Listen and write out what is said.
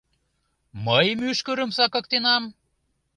— Мый мӱшкырым сакыктенам?!